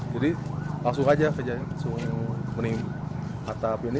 jadi langsung aja menimbulkan atap ini